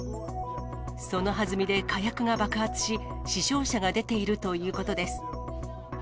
そのはずみで火薬が爆発し、死傷者が出ているということです。